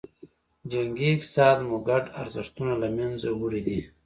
جنګي اقتصاد مو ګډ ارزښتونه له منځه وړي دي.